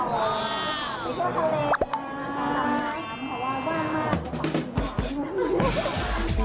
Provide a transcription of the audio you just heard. ขอแบบเกะกะ